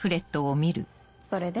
それで？